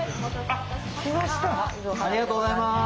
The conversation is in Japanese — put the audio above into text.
ありがとうございます。